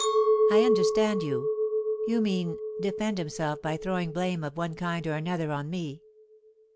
"I understand you. You mean, defend himself by throwing blame of one kind or another on me.